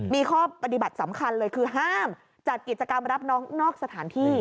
มีข้อปฏิบัติสำคัญเลยคือห้ามจัดกิจกรรมรับน้องนอกสถานที่